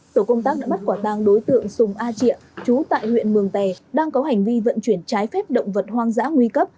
tổ công tác đã bắt quả tang đối tượng sùng a triệu trú tại huyện mường tè đang có hành vi vận chuyển trái phép động vật hoang dã nguy cấp